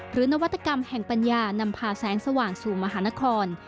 นวัตกรรมแห่งปัญญานำพาแสงสว่างสู่มหานคร